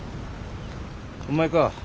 お前か。